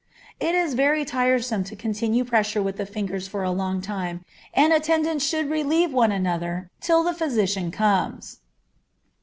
It is very tiresome to continue pressure with the fingers for a long time, and attendants should relieve one another till the physician comes.